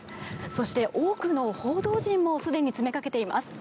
そして多くの報道陣もすでに詰めかけています。